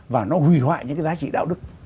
và nó hủy hoại những cái giá trị đạo đức